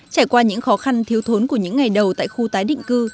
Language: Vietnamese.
trải qua những khó khăn thiếu thốn của những ngày đầu tại khu tái định cư